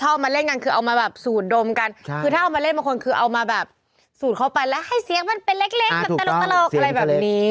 เอามาเล่นกันคือเอามาแบบสูดดมมันขึ้นเอามาแบบสูดเข้าไปแล้วให้เสียงมันเป็นเล็กมันตลกอะไรแบบนี้